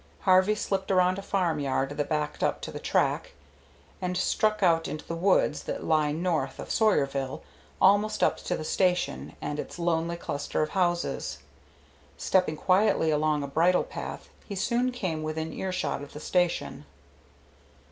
Harvey slipped around a farmyard that backed up to the track, and struck into the woods that lie north of Sawyerville almost up to the station and its lonely cluster of houses. Stepping quietly along a bridle path he soon came within earshot of the station.